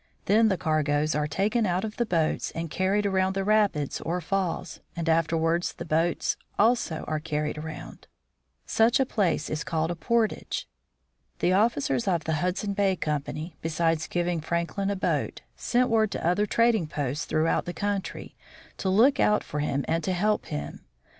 Then the cargoes are taken out of the boats and carried around the rapids or falls, and afterward the boats also are carried around. Such a place is called a portage. The officers of the Hudson Bay Company, besides giv ing Franklin a boat, sent word to other trading posts throughout the country, to look out for him and to help him.